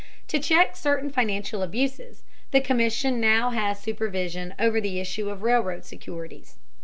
To check certain financial abuses, the Commission now has supervision over the issue of railroad securities.